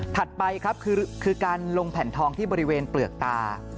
ไปครับคือการลงแผ่นทองที่บริเวณเปลือกตา